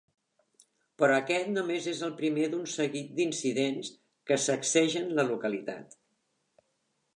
Però aquest només és el primer d'un seguit d'incidents que sacsegen la localitat.